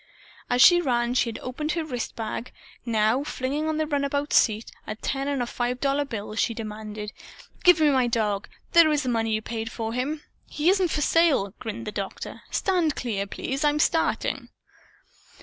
As she ran, she had opened her wristbag. Now, flinging on the runabout's seat a ten and a five dollar bill, she demanded "Give me my dog! There is the money you paid for him!" "He isn't for sale," grinned the Doctor. "Stand clear, please. I'm starting."